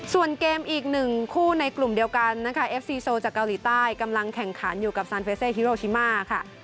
ส่วนเกมอีกหนึ่งคู่ในกลุ่มเดียวกันนะคะเอฟซีโซจากเกาหลีใต้กำลังแข่งขันอยู่กับซานเฟเซฮิโรชิมาค่ะ